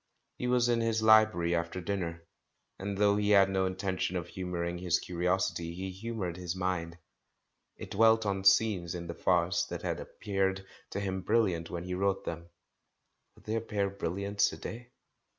He was in his library after dinner; and though he had no intention of humouring his curiosity, he humoured his mind. It dwelt on scenes in the THE CALL FROM THE PAST 393 farce that had appeared to him brilliant when he wrote them. Would they appear brilliant to day?